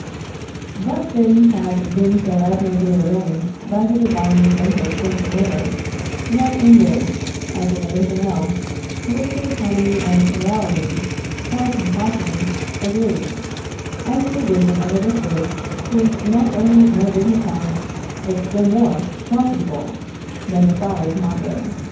But things have been so admirably arranged by the Divine inventor of social order, that in this, as in everything else, political economy and morality, far from clashing, agree; and the wisdom of Aristus is not only more dignified, but still more profitable, than the folly of Mondor.